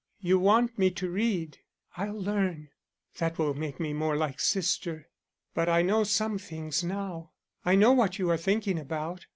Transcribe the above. "You want me to read. I'll learn. That will make me more like sister. But I know some things now. I know what you are thinking about.